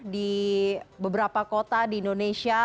di beberapa kota di indonesia